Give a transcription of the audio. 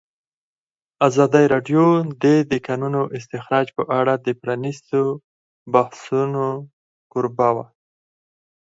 ازادي راډیو د د کانونو استخراج په اړه د پرانیستو بحثونو کوربه وه.